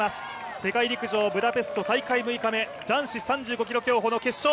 世界陸上ブダペスト大会６日目、男子３５ｋｍ競歩の決勝。